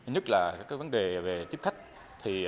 nhất là các vấn đề về tiếp khách